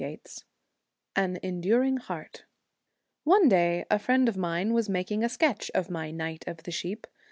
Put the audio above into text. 55 The AN ENDURING HEART Celtic Twilight. One day a friend of mine was making a sketch of my Knight of the Sheep.